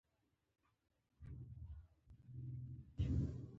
پیاز د نارینه و قوت زیاتوي